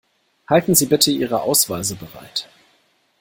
Halten Sie bitte Ihre Ausweise bereit.